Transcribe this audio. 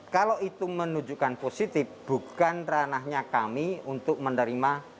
kalau itu menunjukkan positif bukan ranahnya kami untuk menerima